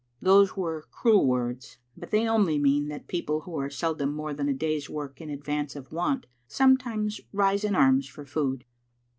" Those were cruel words, but they only mean that people who are seldom more than a day's work in ad vance of want sometimes rise in arms for food.